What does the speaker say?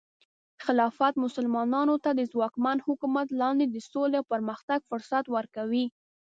خلافت مسلمانانو ته د ځواکمن حکومت لاندې د سولې او پرمختګ فرصت ورکوي.